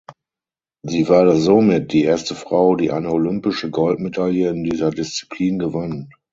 Sie war somit die erste Frau, die eine olympische Goldmedaille in dieser Disziplin gewann.